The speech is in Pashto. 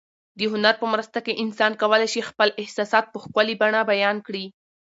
د هنر په مرسته انسان کولای شي خپل احساسات په ښکلي بڼه بیان کړي.